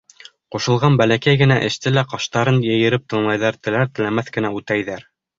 Ҡушылған бәләкәй генә эште лә ҡаштарын йыйырып тыңлайҙар, теләр-теләмәҫ кенә үтәйҙәр.